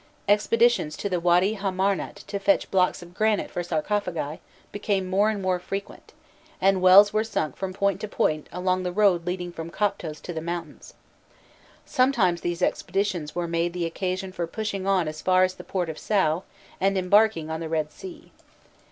Expeditions to the Wady Ham marnât to fetch blocks of granite for sarcophagi become more and more frequent, and wells were sunk from point to point along the road leading from Koptos to the mountains. Sometimes these expeditions were made the occasion for pushing on as far as the port of Saû and embarking on the Eed Sea.